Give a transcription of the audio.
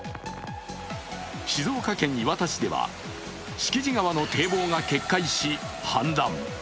静岡県磐田市では敷地川の堤防が決壊し、氾濫。